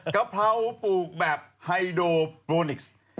กะเพราปลูกแบบไฮโดโปรนิกซ์